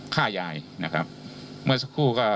ฆ่ายายนะครับเมื่อสักครู่ก็